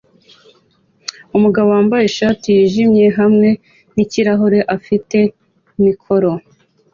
Umugabo wambaye ishati yijimye hamwe nikirahure afite mikoro